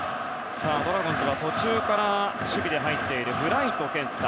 ドラゴンズは途中から守備で入っているブライト健太。